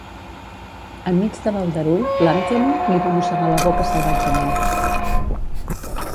Enmig de l'aldarull l'Anthony li va mossegar la boca salvatgement.